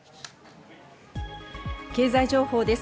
経済情報です。